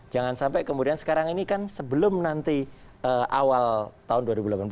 jangan sampai kemudian sekarang ini kan sebelum nanti awal tahun dua ribu delapan belas